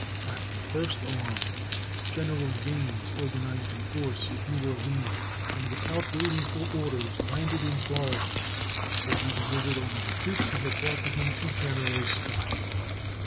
At the first alarm General Gaines organized a force at New Orleans, and without waiting for orders landed in Florida, where he delivered over the troops he had brought with him to General Scott.